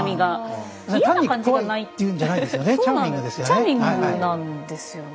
チャーミングですよね。